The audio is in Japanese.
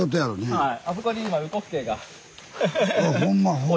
はい。